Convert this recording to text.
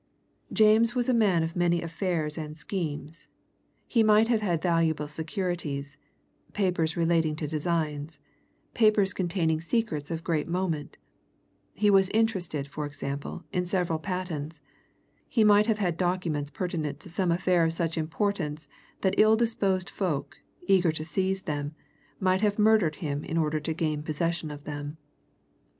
James was a man of many affairs and schemes he might have had valuable securities, papers relating to designs, papers containing secrets of great moment; he was interested, for example, in several patents he might have had documents pertinent to some affair of such importance that ill disposed folk, eager to seize them, might have murdered him in order to gain possession of them.